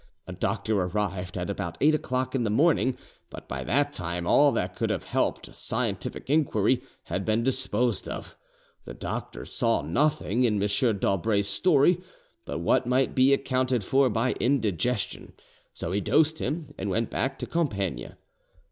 A doctor arrived at about eight o'clock in the morning, but by that time all that could have helped a scientific inquiry had been disposed of: the doctor saw nothing, in M. d'Aubray's story but what might be accounted for by indigestion; so he dosed him, and went back to Compiegne.